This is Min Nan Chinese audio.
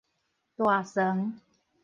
大床